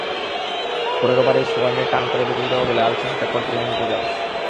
পরের ওভারেই সোয়ানের টার্ন করে বেরিয়ে যাওয়া বলে আলসে শটে কটবিহাইন্ড রজার্স।